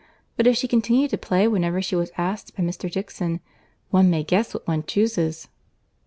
But if she continued to play whenever she was asked by Mr. Dixon, one may guess what one chuses."